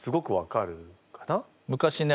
昔ね